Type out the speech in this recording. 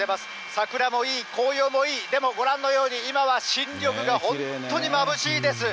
桜もいい、紅葉もいい、でもご覧のように、今は新緑が本当にまぶしいです。